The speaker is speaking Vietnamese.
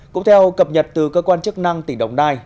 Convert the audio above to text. cũng theo cập nhật từ cơ quan chức năng tỉ đồng nai